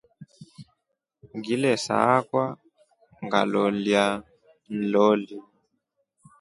Ngile saakwa ngalolia nloli.